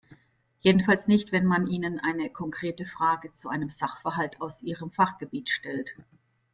Jedenfalls nicht, wenn man ihnen eine konkrete Frage zu einem Sachverhalt aus ihrem Fachgebiet stellt.